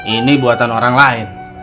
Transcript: ini buatan orang lain